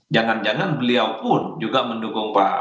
jangan jangan beliau pun juga mendukung pak